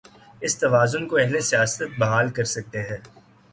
اس توازن کو اہل سیاست بحال کر سکتے ہیں۔